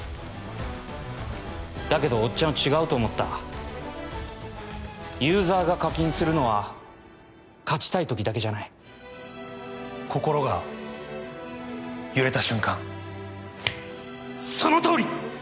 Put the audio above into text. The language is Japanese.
だけどおっちゃんは違うと思ったユーザーが課金するのは勝ちたい時だけじゃない心が揺れた瞬間そのとおり！